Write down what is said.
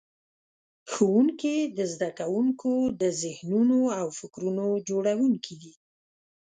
ښوونکي د زده کوونکو د ذهنونو او فکرونو جوړونکي دي.